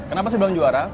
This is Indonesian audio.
kenapa saya bilang juara